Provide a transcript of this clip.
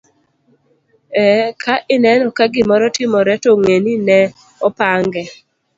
Ee, ka ineno ka gimoro timore to ng'e ni ne opange.